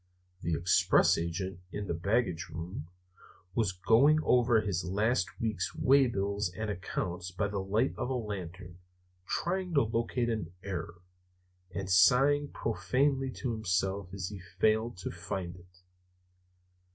The express agent, in the baggage room, was going over his last week's waybills and accounts by the light of a lantern, trying to locate an error, and sighing profanely to himself as he failed to find it.